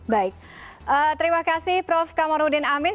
baik terima kasih prof kamarudin amin